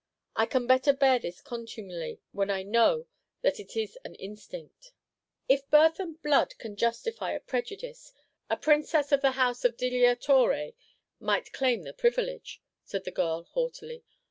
I can better bear this contumely when I know that it is an instinct." "If birth and blood can justify a prejudice, a Princess of the house of Delia Torre might claim the privilege," said the girl, haughtily.